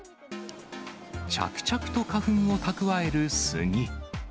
着々と花粉を蓄えるスギ。